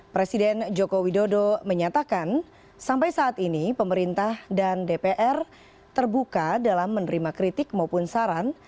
presiden joko widodo menyatakan sampai saat ini pemerintah dan dpr terbuka dalam menerima kritik maupun saran